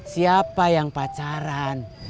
siapa yang pacaran